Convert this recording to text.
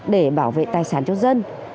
để bảo vệ tài sản cho dân